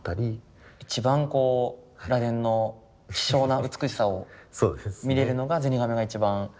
一番螺鈿の希少な美しさを見れるのがゼニガメが一番。